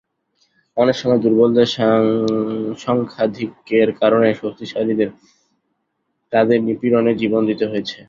অনেক সময় দুর্বলদের সংখ্যাধিক্যের কারণে শক্তিশালীদের তাদের নিপীড়নে জীবন দিতে হয়েছে।